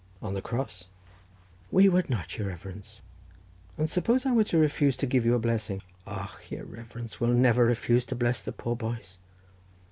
"On the Cross?" "We would not, your reverence." "And suppose I were to refuse to give you a blessing?" "Och, your reverence will never refuse to bless the poor boys."